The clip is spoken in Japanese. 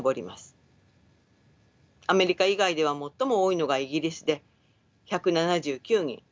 アメリカ以外では最も多いのがイギリスで１７９人。